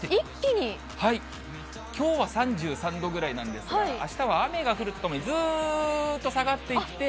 きょうは３３度くらいなんですが、あしたは雨が降るため、ずーっと下がっていって。